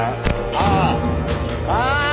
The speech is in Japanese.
ああ！